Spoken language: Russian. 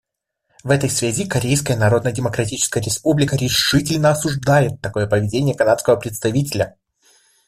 В этой связи Корейская Народно-Демократическая Республика решительно осуждает такое поведение канадского представителя.